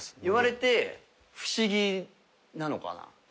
言われて不思議なのかな？